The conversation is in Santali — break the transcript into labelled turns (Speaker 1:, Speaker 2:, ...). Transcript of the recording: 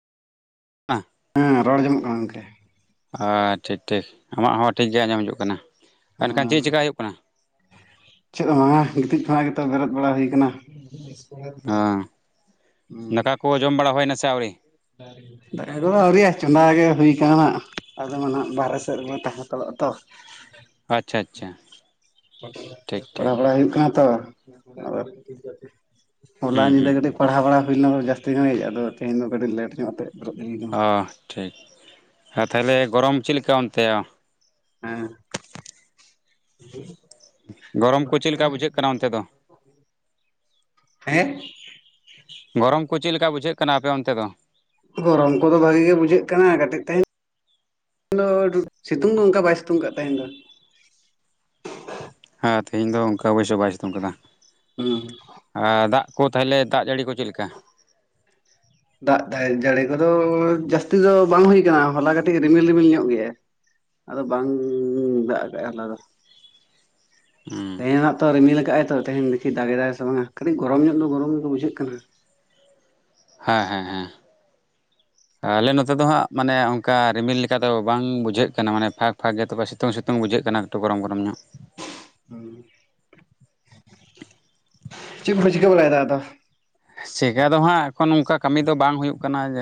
Speaker 1: ᱟᱸ
Speaker 2: ᱦᱮᱸ ᱨᱚᱲ ᱡᱚᱢᱚᱜ ᱠᱟᱱᱟ ᱜᱚᱝᱠᱮ,
Speaker 1: ᱟᱪᱷᱟ ᱴᱷᱤᱠ ᱴᱷᱤᱠ ᱟᱢᱟᱜ ᱦᱚᱸ ᱴᱷᱤᱠ ᱜᱮ ᱟᱸᱡᱚᱢ ᱦᱤᱡᱩᱜ ᱠᱟᱱᱟ ᱮᱱᱠᱷᱟᱱ ᱪᱮᱫ ᱪᱮᱠᱟ ᱦᱩᱭᱩᱜ ᱠᱟᱱᱟ?
Speaker 2: ᱪᱮᱫ ᱦᱚᱸ ᱵᱟᱝ-ᱟ ᱜᱤᱛᱤᱡ ᱵᱟᱲᱟ ᱨᱮᱛᱚ ᱵᱮᱨᱮᱫ ᱵᱟᱲᱟ ᱦᱩᱭ ᱠᱟᱱᱟ
Speaker 1: ᱚᱸ
Speaker 2: ᱦᱩᱸ
Speaker 1: ᱫᱟᱠᱟ ᱠᱚ ᱡᱚᱢ ᱵᱟᱲᱟ ᱦᱩᱭ ᱱᱟ ᱥᱮ ᱟᱹᱣᱨᱤ?
Speaker 2: [unintelligible] ᱫᱟᱠᱟ ᱠᱚᱫᱚ ᱟᱹᱣᱨᱤᱭᱟ ᱪᱚᱸᱫᱟ ᱜᱮ ᱦᱩᱭ ᱠᱟᱱᱟ ᱦᱟᱜ ᱟᱫᱚ ᱢᱟ ᱟᱜ ᱵᱟᱨᱦᱮ ᱥᱮᱫ ᱨᱮᱞᱮ ᱛᱟᱦᱮᱸ ᱛᱟᱦᱮ ᱦᱟᱛᱟᱲᱚᱜ-ᱟ ᱛᱚ
Speaker 1: ᱟᱪᱪᱷᱟ ᱟᱪᱪᱷᱟ, ᱴᱷᱤᱠ ᱴᱷᱤᱠ
Speaker 2: ᱯᱟᱲᱦᱟᱣ ᱵᱟᱲᱟ ᱦᱩᱭᱩᱜ ᱠᱟᱱᱟ ᱛᱚ, ᱦᱚᱞᱟ
Speaker 1: ᱦᱩᱸ
Speaker 2: ᱧᱤᱫᱟᱹ
Speaker 1: ᱦᱩᱸ ᱦᱩᱸ
Speaker 2: ᱠᱟᱹᱴᱤᱡ ᱯᱟᱲᱟᱣ ᱵᱟᱲᱟ ᱦᱩᱭ ᱞᱮᱱᱟ ᱫᱚ ᱡᱟᱹᱥᱛᱤ ᱜᱷᱟᱹᱲᱤᱡ ᱟᱫᱚ ᱛᱮᱦᱮᱧ ᱫᱚ ᱠᱟᱹᱴᱤᱡ ᱞᱮᱴ ᱧᱚᱜ ᱛᱮ ᱵᱮᱨᱮᱫ ᱦᱩᱭ ᱠᱟᱱᱟ
Speaker 1: ᱚ ᱴᱷᱤᱠ ᱟᱨ ᱛᱟᱦᱚᱞᱮ ᱜᱚᱨᱚᱢ ᱪᱮᱫ ᱞᱮᱠᱟ ᱚᱱᱛᱟ?
Speaker 2: ᱦᱮᱸ,
Speaker 1: ᱜᱚᱨᱚᱢ ᱠᱚ ᱪᱮᱫ ᱞᱮᱠᱟ ᱵᱩᱡᱷᱟᱹᱜ ᱠᱟᱱᱟ ᱚᱱᱛᱮ ᱫᱚ?
Speaker 2: ᱦᱮᱸ,
Speaker 1: ᱜᱚᱨᱚᱢ ᱠᱚ ᱪᱤᱜ ᱞᱮᱠᱟ ᱵᱩᱡᱷᱟᱹᱜ ᱠᱟᱱᱟ ᱟᱯᱮ ᱚᱱᱛᱮ ᱫᱚ?
Speaker 2: ᱜᱚᱨᱚᱢ ᱠᱚᱫᱚ ᱵᱷᱟᱜᱤ ᱜᱮ ᱵᱩᱡᱷᱟᱹᱜ ᱠᱟᱱᱟ ᱠᱟᱹᱴᱤᱡ ᱛᱮᱧ ᱫᱚ ᱥᱤᱛᱩᱝ ᱫᱚ ᱚᱱᱠᱟ ᱵᱟᱭ ᱥᱤᱛᱩᱝ ᱠᱟᱫ ᱛᱟᱦᱮᱸ ᱫᱚ
Speaker 1: ᱦᱮᱸ ᱛᱮᱦᱧ ᱫᱚ ᱚᱱᱠᱟ ᱚᱵᱚᱥᱭ ᱵᱟᱭ ᱥᱤᱛᱩᱝ ᱟᱠᱟᱫᱟ᱾
Speaker 2: [unintelligible]
Speaker 1: ᱟᱨ ᱫᱟᱜ ᱠᱚ ᱛᱟᱦᱚᱞᱮ ᱫᱟᱜ ᱡᱟᱹᱲᱤ ᱠᱚ ᱪᱮᱫ ᱞᱮᱠᱟ?
Speaker 2: ᱫᱟᱜ ᱫᱟᱭ ᱡᱟᱹᱲᱤ ᱠᱚᱫᱚ ᱡᱟᱹᱥᱛᱤ ᱫᱚ ᱵᱟᱝ ᱦᱩᱭ ᱟᱠᱟᱱᱟ ᱦᱚᱞᱟ ᱠᱟᱹᱴᱤᱡ ᱨᱤᱢᱤᱞ ᱨᱤᱢᱤᱞ ᱧᱚᱜ ᱜᱮᱭᱟ ᱟᱫᱚ ᱵᱟᱝ ᱫᱟᱜ ᱟᱠᱟᱫᱼᱟᱭ ᱦᱚᱞᱟ ᱫᱚ,
Speaker 1: ᱦᱩᱸ,
Speaker 2: ᱛᱮᱦᱮᱧ ᱱᱟᱜ ᱛᱚ ᱨᱢᱤᱞ ᱠᱟᱜᱟᱭ ᱛᱚ ᱛᱮᱦᱮᱧ ᱫᱮᱠᱷᱤ ᱫᱟᱜᱮᱫ ᱫᱟᱭ ᱥᱮ ᱵᱟᱝᱟ ᱠᱟᱹᱴᱤᱡ ᱜᱚᱨᱚᱢ ᱧᱚᱜ ᱫᱚ ᱜᱚᱨᱚᱢ ᱜᱮ ᱵᱩᱡᱷᱟᱹᱜ ᱠᱟᱱᱟ᱾
Speaker 1: ᱦᱮᱸ ᱦᱮᱸ ᱦᱮᱸ᱾ ᱟᱞᱮ ᱱᱚᱛᱮ ᱫᱚ ᱦᱟᱸᱜ ᱢᱟᱱᱮ ᱚᱱᱠᱟ ᱨᱤᱢᱤᱞ ᱞᱮᱠᱟ ᱫᱚ ᱵᱟᱝ ᱵᱩᱡᱷᱟᱹᱜ ᱠᱟᱱᱟ, ᱢᱟᱱᱮ ᱯᱷᱟᱸᱠ ᱯᱷᱟᱸᱠ ᱜᱮ ᱛᱚᱵᱮ ᱥᱤᱛᱳᱝ ᱥᱤᱛᱳᱝ ᱵᱩᱡᱷᱟᱹᱜ ᱠᱟᱱᱟ᱾ ᱛᱚ ᱜᱚᱨᱚᱢ ᱜᱚᱨᱚᱢ ᱧᱚᱜ
Speaker 2: ᱦᱮᱸ [inaudible] ᱪᱮᱫ ᱠᱚᱯᱮ ᱪᱮᱠᱟ ᱵᱟᱲᱟᱭᱮᱫᱟ ᱟᱫᱚ
Speaker 1: ᱥᱮᱜᱟ ᱫᱚ ᱦᱟᱸᱜ ᱟᱠᱚ ᱱᱚᱝᱠᱟ ᱠᱟᱹᱢᱤ ᱫᱚ ᱵᱟᱝ ᱦᱩᱭᱩᱜ ᱠᱟᱱᱟ ᱡᱮ